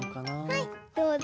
はいどうぞ。